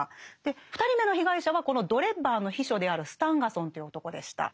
２人目の被害者はこのドレッバーの秘書であるスタンガソンという男でした。